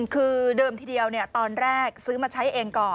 คือเดิมทีเดียวตอนแรกซื้อมาใช้เองก่อน